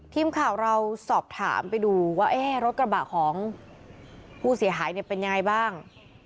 ทีมข่าวเราสอบถามไปดูว่ารถกระบะของผู้เสียหายเนี่ยเป็นยังไงบ้าง